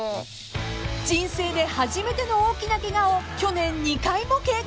［人生で初めての大きなケガを去年２回も経験］